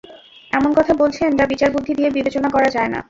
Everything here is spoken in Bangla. এমন কথা বলছেন যা বিচারবুদ্ধি দিয়ে বিবেচনা করা যায় না!